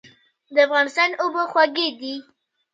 د افغانستان اوبه خوږې دي